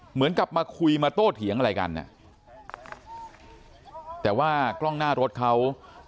เหมือนกับมาคุยมาโต้เถียงอะไรกันเนี่ยแต่ว่ากล้องหน้ารถเขา